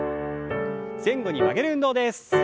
前後に曲げる運動です。